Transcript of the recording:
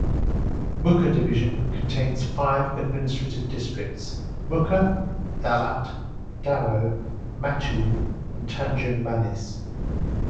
Mukah Division contains five administrative districts: Mukah, Dalat, Daro, Matu and Tanjung Manis.